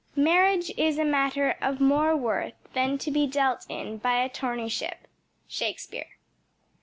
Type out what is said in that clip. "Marriage is a matter of more worth Than to be dealt in by attorneyship." _Shakespeare.